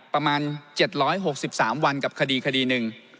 ประมาณ๗๖๓วันกับคดีคดีหนึ่ง